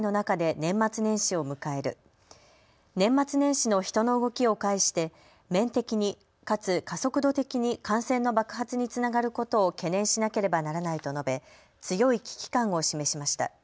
年末年始の人の動きを介して面的に、かつ加速度的に感染の爆発につながることを懸念しなければならないと述べ強い危機感を示しました。